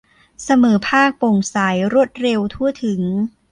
เสมอภาค โปร่งใส รวดเร็ว ทั่วถึง